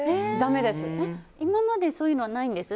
今までそういうのはないんです？